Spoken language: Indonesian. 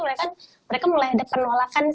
mereka mulai ada penolakan